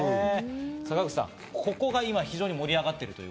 坂口さん、ここが今非常に盛り上がってる。